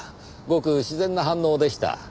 ごく自然な反応でした。